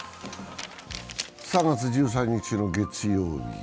３月１３日の月曜日。